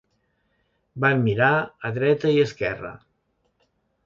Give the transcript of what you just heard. Van mirar a dreta i esquerra.